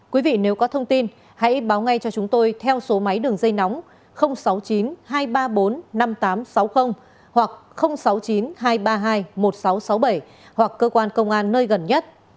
quý vị nếu có thông tin hãy báo ngay cho chúng tôi theo số máy đường dây nóng sáu mươi chín hai trăm ba mươi bốn năm nghìn tám trăm sáu mươi hoặc sáu mươi chín hai trăm ba mươi hai một nghìn sáu trăm sáu mươi bảy hoặc cơ quan công an nơi gần nhất